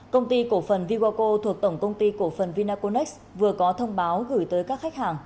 công ty cổ phần vivgoco thuộc tổng công ty cổ phần vinaconex vừa có thông báo gửi tới các khách hàng